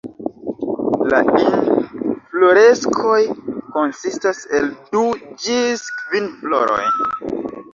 La infloreskoj konsistas el du ĝis kvin floroj.